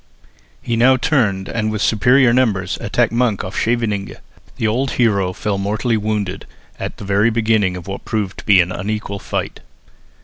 He now turned and with superior numbers attacked Monk off Scheveningen. The old hero fell mortally wounded at the very beginning of what proved to be an unequal fight.